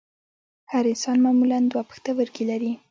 هر انسان معمولاً دوه پښتورګي لري